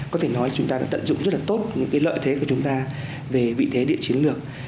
có thể nói chúng ta đã tận dụng rất là tốt những cái lợi thế của chúng ta về vị thế địa chiến lược